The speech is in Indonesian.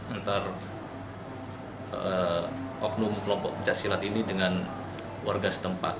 antara oknum kelompok pecah silat ini dengan warga setempat